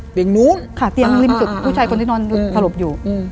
เตียงรุมค่ะเตียงริมสุดผู้ชายคนที่นอนถลบอยู่